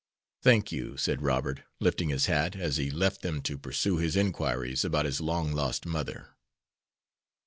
"Thank you," said Robert, lifting his hat, as he left them to pursue his inquiries about his long lost mother.